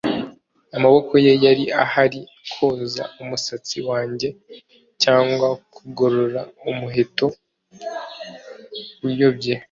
amaboko ye yari ahari kwoza umusatsi wanjye, cyangwa kugorora umuheto uyobye